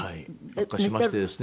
悪化しましてですね